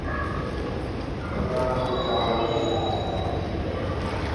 খুনি মানুষের চামড়া দিয়ে বানানো একটা মুখোশ পরে ছিল।